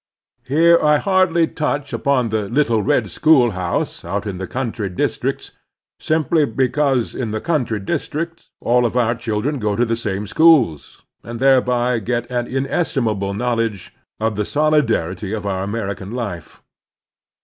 Here I hardly touch upon the little red school house" out in the country districts, simply be cause in the country districts all of our children go to the same schools, and thereby get an inesti mable knowledge of the solidarity of our American life.